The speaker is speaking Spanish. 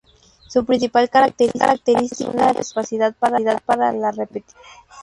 Su principal característica es una incapacidad para la repetición.